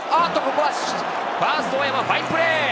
ここはファースト・大山ファインプレー！